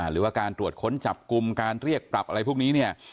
หรือว่าการตรวจค้นจับกลุ่มการเรียกปรับอะไรพวกนี้เนี่ย